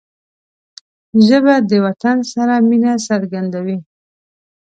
ژبه د وطن سره مینه څرګندوي